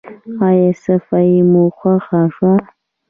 ایا صفايي مو خوښه شوه؟